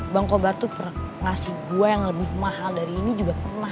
bang kobar tuh ngasih gue yang lebih mahal dari ini juga pernah